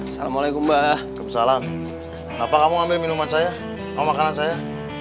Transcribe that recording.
assalamualaikum mbah salam apa kamu ambil minuman saya kalau makanan saya